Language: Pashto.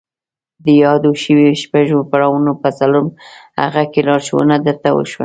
د يادو شويو شپږو پړاوونو په څلورم هغه کې لارښوونه درته وشوه.